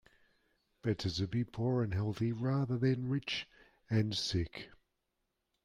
Better to be poor and healthy rather than rich and sick.